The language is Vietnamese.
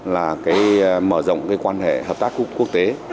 là cái mở rộng cái quan hệ hợp tác quốc tế